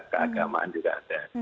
keagamaan juga ada